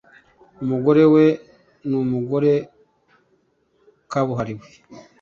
Umugore we numugore kabuhariwe.